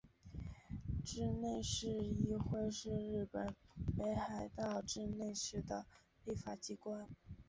稚内市议会是日本北海道稚内市的立法机关。